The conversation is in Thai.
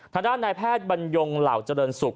ทางด้านนายแพทย์บรรยงเหล่าเจริญสุข